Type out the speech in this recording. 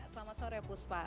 selamat sore puspa